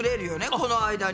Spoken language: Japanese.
この間に。